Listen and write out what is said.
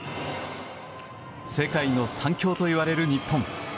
世界の３強といわれる日本。